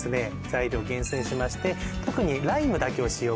材料を厳選しまして特にライムだけを使用